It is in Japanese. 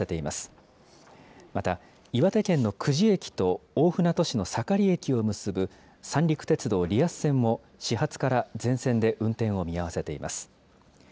また、岩手県の久慈駅と大船渡市の盛駅を結ぶ三陸鉄道リアス線も、始発から全線で運転を見合わせています。